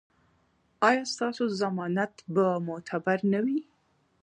ایا ستاسو ضمانت به معتبر نه وي؟